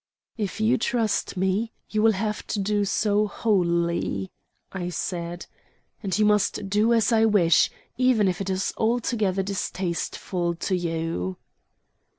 "If you trust me, you will have to do so wholly," I said; "and you must do as I wish, even if it is altogether distasteful to you."